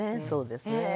そうですね。